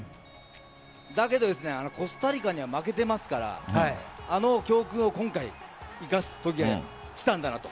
だけどコスタリカには負けていますからあの教訓を今回、生かす時が来たんだなと。